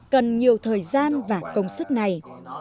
cần nhiều thời gian và công sức này